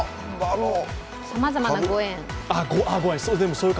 さまざまなご縁。